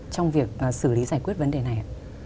trong việc xử lý giải quyết vấn đề này